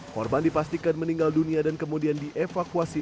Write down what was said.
korban dipastikan meninggal dunia dan kemudian dievakuasi